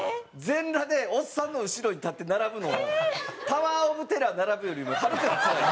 全裸でおっさんの後ろに立って並ぶのタワー・オブ・テラー並ぶよりも。